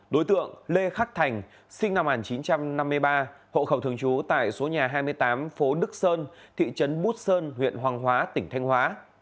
đối tượng lê khắc thành sinh năm một nghìn chín trăm năm mươi ba hộ khẩu thường trú tại số nhà hai mươi tám phố đức sơn thị trấn bút sơn huyện hoàng hóa tỉnh thanh hóa